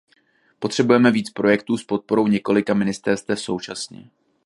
Potřebujeme víc projektů s podporou několika ministerstev současně.